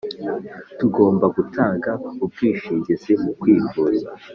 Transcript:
Tugomba gutanga ubwishingizi mukwivuza